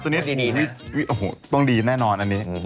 ตอนนี้ต้องดีแน่นอนอันนี้